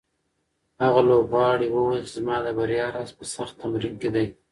هغه لوبغاړی وویل چې زما د بریا راز په سخت تمرین کې دی.